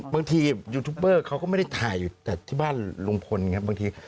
บางทียูทูปเบอร์เขาก็ไม่ได้ถ่ายอยู่แต่ที่บ้านลุงพลครับบางที